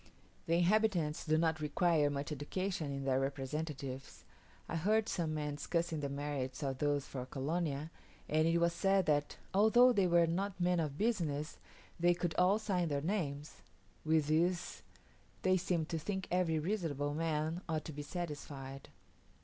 The inhabitants do not require much education in their representatives; I heard some men discussing the merits of those for Colonia; and it was said that, "although they were not men of business, they could all sign their names:" with this they seemed to think every reasonable man ought to be satisfied.